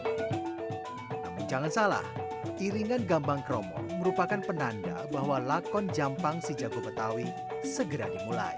namun jangan salah iringan gambang kromong merupakan penanda bahwa lakon jampang si jago betawi segera dimulai